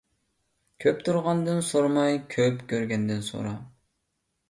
كۆپ تۇرغاندىن سورىماي، كۆپ كۆرگەندىن سورا.